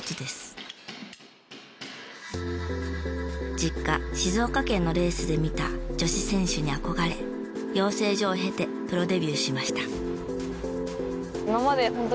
実家静岡県のレースで見た女子選手に憧れ養成所を経てプロデビューしました。